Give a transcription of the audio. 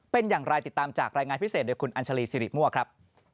เป็นอย่างไรติดตามจากรายงานพิเศษโดยคุณอัญชาลีสิริมั่วครับ